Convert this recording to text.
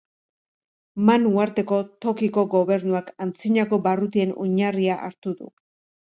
Man uharteko tokiko gobernuak antzinako barrutien oinarria hartu du.